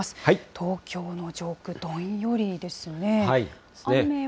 東京の上空、どんよりですね。